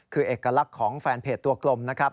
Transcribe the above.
คือเอกลักษณ์ของแฟนเพจตัวกลมนะครับ